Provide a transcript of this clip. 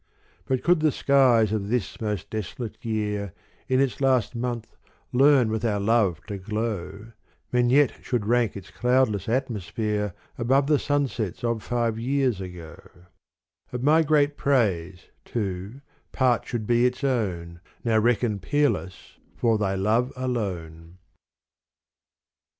But could the skies of this most desolate year In its last month learn with our love to glow, Men yet should rank its cloudless atmosphere Above the sunsets of five years ago : Of my great praise too part should be its own, Now reckoned peerless for thy love alone.